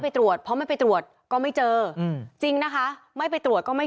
ไปตรวจเพราะไม่ไปตรวจก็ไม่เจออืมจริงนะคะไม่ไปตรวจก็ไม่